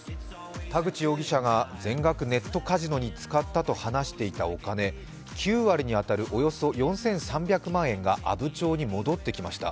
田口容疑者が全額ネットカジノに使ったと話していたお金、９割に当たるおよそ４３００万円が阿武町に戻ってきました。